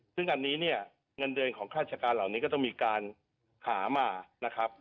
ซึ่งอันนี้เนี่ยเงินเดือนของราชการเหล่านี้ก็ต้องมีการหามานะครับ